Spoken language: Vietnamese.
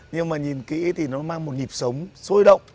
nhưng mà nhìn kỹ thì nó mang một nhịp sống sôi động